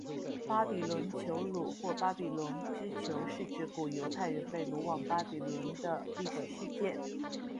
巴比伦囚虏或巴比伦之囚是指古犹太人被掳往巴比伦的历史事件。